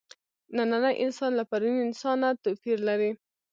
نننی انسان له پروني انسانه توپیر لري.